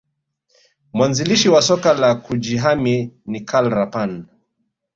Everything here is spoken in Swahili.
Mwanzilishi wa soka la kujihami ni Karl Rapan